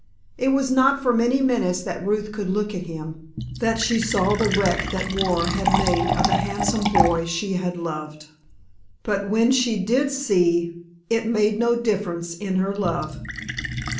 It was not for many minutes that Ruth could look at him, that she saw the wreck that war had made of the handsome boy she had loved. But when she did see it made no difference in her love.